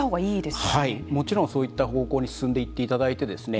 はいもちろんそういった方向に進んでいっていただいてですね